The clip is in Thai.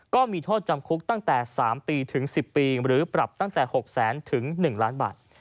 ก็มีโทษจำคุกตั้งแต่๓ปีถึง๑๐ปีหรือปรับตั้งแต่๖แสนถึง๑ล้านบาท